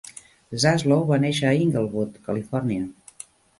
Zaslow va néixer a Inglewood, Califòrnia.